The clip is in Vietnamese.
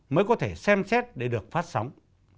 mới có thể xem xét để được phát sóng